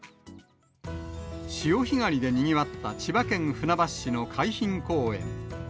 潮干狩りでにぎわった千葉県船橋市の海浜公園。